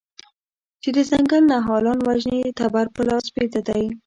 چې د ځنګل نهالان وژني تبر په لاس بیده دی